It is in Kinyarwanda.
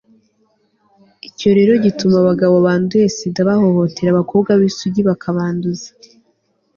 icyo rero gituma abagabo banduye sida bahohotera abakobwa b'isugi bakabanduza